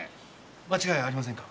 間違いありませんか？